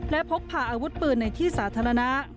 และพกพาอาวุธปืนในที่สาธารณะ